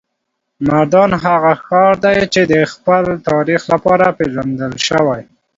مردان هغه ښار دی چې د خپل تاریخ لپاره پیژندل شوی.